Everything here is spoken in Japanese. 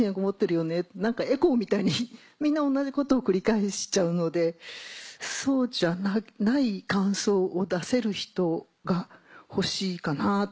って何かエコーみたいにみんな同じことを繰り返しちゃうのでそうじゃない感想を出せる人が欲しいかなと思いました。